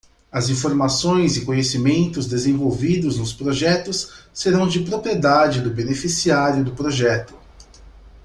As informações e conhecimentos desenvolvidos nos projetos serão de propriedade do beneficiário do projeto.